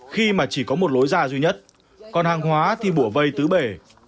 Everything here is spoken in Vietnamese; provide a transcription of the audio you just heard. khi mà chỉ có một lối ra duy nhất còn hàng hóa thì bùa vây tứ bể